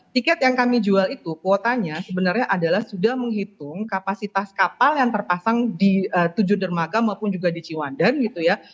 tiket yang kami jual itu kuotanya sebenarnya adalah sudah menghitung kapasitas kapal yang terpasang di tujuh dermaga maupun juga di ciwandan gitu ya